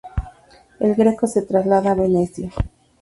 El Greco se traslada a Venecia.